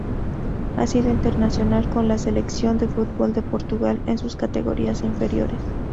Ha sido internacional con la Selección de fútbol de Portugal en sus categorías inferiores.